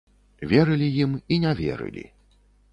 Верылі ім і не верылі.